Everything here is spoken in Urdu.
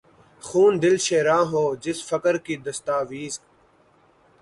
خون دل شیراں ہو، جس فقر کی دستاویز